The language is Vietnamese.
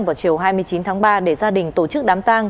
vào chiều hai mươi chín tháng ba để gia đình tổ chức đám tang